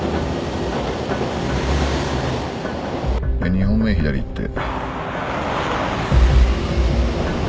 ２本目左行って。